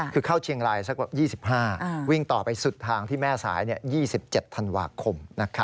คือเข้าเชียงรายสัก๒๕วิ่งต่อไปสุดทางที่แม่สาย๒๗ธันวาคม